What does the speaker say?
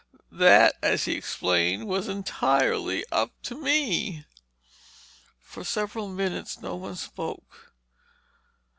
"That, as he explained, was entirely up to me!" For several minutes no one spoke.